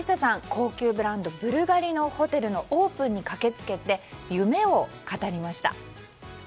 高級ブランドブルガリのホテルのオープンに駆けつけて夢を語りました。